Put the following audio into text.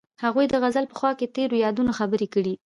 هغوی د غزل په خوا کې تیرو یادونو خبرې کړې.